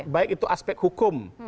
baik itu aspek hukum